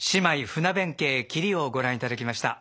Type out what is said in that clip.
「船弁慶キリ」をご覧いただきました。